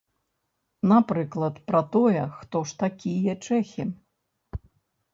Напрыклад, пра тое, хто ж такія чэхі.